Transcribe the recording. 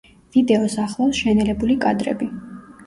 ვიდეოს ახლავს შენელებული კადრები.